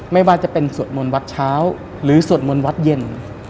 ไม่ว่าจะเป็นสวดมนต์วัดเช้าหรือสวดมนต์วัดเย็น